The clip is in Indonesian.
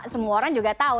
semua orang juga tahu